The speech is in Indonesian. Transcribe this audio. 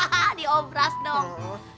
hahaha di obras dong